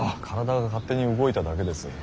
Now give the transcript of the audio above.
体が勝手に動いただけです。